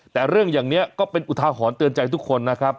แต่เรื่องอย่างนี้ก็เป็นอุทาหรณ์เตือนใจทุกคนนะครับ